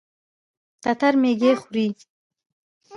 تتر ميږي خوري.